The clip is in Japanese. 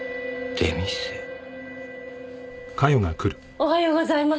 おはようございます。